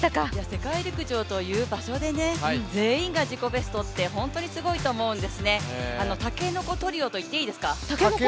世界陸上という場所で全員が自己ベストって本当にすごいと思うんですね、たけのこトリオと言っていいですか？